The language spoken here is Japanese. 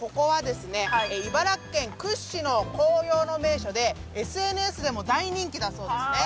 茨城県屈指の紅葉の名所でＳＮＳでも大人気だそうですね。